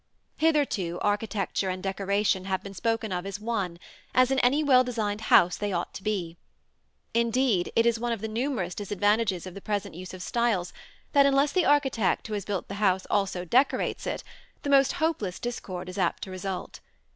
Hitherto architecture and decoration have been spoken of as one, as in any well designed house they ought to be. Indeed, it is one of the numerous disadvantages of the present use of styles, that unless the architect who has built the house also decorates it, the most hopeless discord is apt to result.